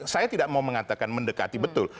saya tidak mau mengatakan mendekati betul